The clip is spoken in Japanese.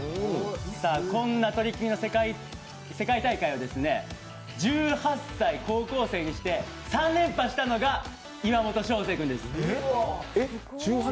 こんなトリッキング世界大会をですね、１８歳高校生にして３連覇したのが、岩本将成君です。